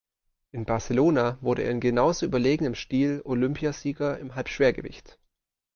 In Barcelona wurde er in genauso überlegenem Stil Olympiasieger im Halbschwergewicht.